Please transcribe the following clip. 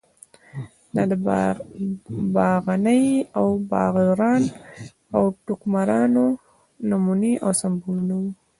دا د باغني او باغران د ټوکمارو نمونې او سمبولونه وو.